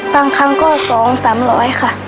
บางครั้งก็สองสามร้อยค่ะ